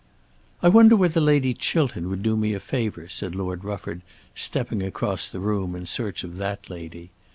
"I wonder whether Lady Chiltern would do me a favour," said Lord Rufford stepping across the room in search of that lady.